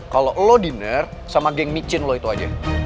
kalo lo dinner sama geng micin lo itu aja